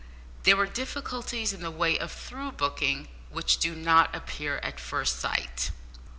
There were difficulties in the way of through booking which do not appear at first sight.